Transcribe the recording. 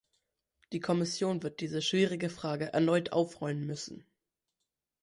Die Kommission wird diese schwierige Frage erneut aufrollen müssen.